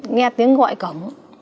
nghe tiếng gọi cổng